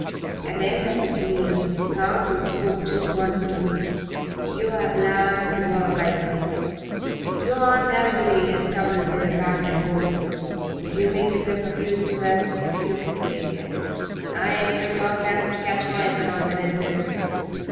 At the end of his meal her uncle spoke just once to Ruth. "You have l'arned to work, I see. Your Aunt Alviry has trouble with her back and bones. If you make yourself of use to her you can stay here. I expect all cats to catch mice around the Red Mill.